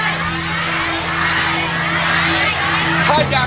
ใช้ใช้ใช้